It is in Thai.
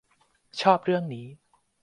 ชอบเรื่องนี้